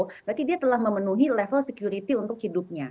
berarti dia telah memenuhi level security untuk hidupnya